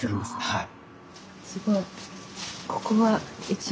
はい。